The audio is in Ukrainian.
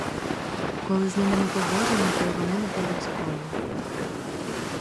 Коли з ними не по-божому, то й вони не по-людському!